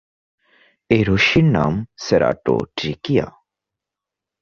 এই রশ্মির নাম সেরাটোট্রিকিয়া।